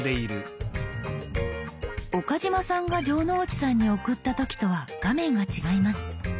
岡嶋さんが城之内さんに送った時とは画面が違います。